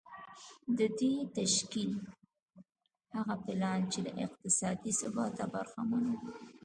د دې تشکيل هغه پلان چې له اقتصادي ثباته برخمن و.